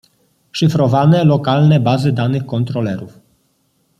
Szyfrowane lokalne bazy danych kontrolerów.